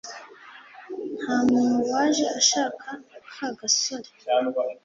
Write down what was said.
nta muntu waje ashaka ka gasore